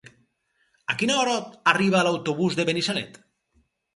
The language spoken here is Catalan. A quina hora arriba l'autobús de Benissanet?